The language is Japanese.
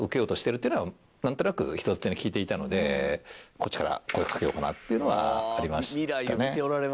こっちから声かけようかなっていうのはありましたね。